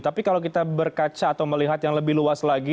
tapi kalau kita berkaca atau melihat yang lebih luas lagi